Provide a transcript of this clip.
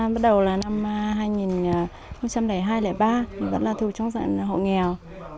bắt đầu là năm hai nghìn ba vẫn là thù trong dạng hộ nghèo